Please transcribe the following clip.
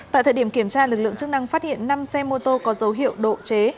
tại thời điểm kiểm tra lực lượng chức năng phát hiện năm xe mô tô có dấu hiệu độ chế